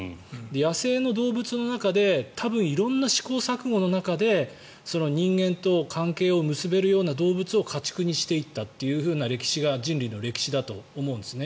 野生の動物の中で多分色んな試行錯誤の中で人間と関係を結べるような動物を家畜にしていったという歴史が人類の歴史だと思うんですね。